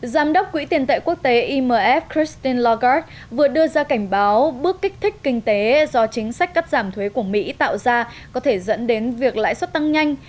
giám đốc quỹ tiền tệ quốc tế imf christen logarde vừa đưa ra cảnh báo bước kích thích kinh tế do chính sách cắt giảm thuế của mỹ tạo ra có thể dẫn đến việc lãi suất tăng nhanh